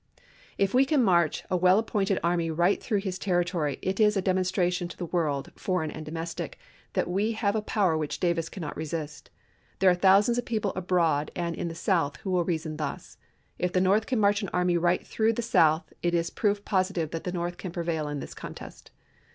"If we can march a well appointed army right through his territory it is a demonstration to the world, foreign and domestic, that we have a power which Davis cannot resist. .. There are thousands of people abroad and in the South who will reason thus: If the North can march an army right through the South it is proof positive that the North can prevail in this contest.